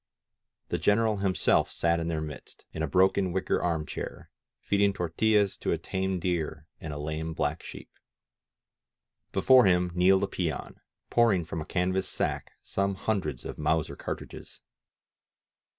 The General himself sat in their midst, in a broken wicker arm chair, feeding tortillas to a tame deer and a lame black sheep. Before him kneeled a peon, pouring from a canvas sack some hundreds of Mauser cartridges.